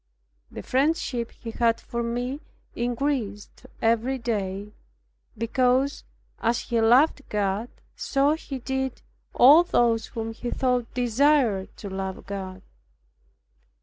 The friendship he had for me increased every day; because, as he loved God, so he did all those whom he thought desired to love God.